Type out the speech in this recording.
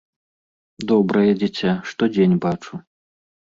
Добрае дзіця, штодзень бачу.